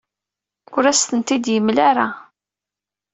Ur as-tent-id-yemla ara.